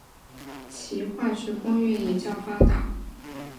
其化学工业也较发达。